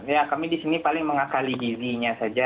ya kami di sini paling mengakali dirinya saja